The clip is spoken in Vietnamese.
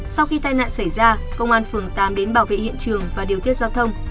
sau khi tai nạn xảy ra công an phường tám đến bảo vệ hiện trường và điều tiết giao thông